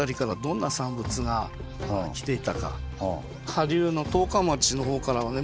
下流の十日町のほうからはね